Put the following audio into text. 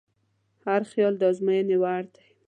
هر خیال د ازموینې وړ دی.